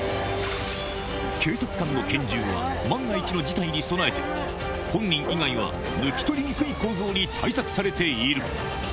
警察官の拳銃は万が一の事態に備えて、本人以外は抜き取りにくい構造に対策されている。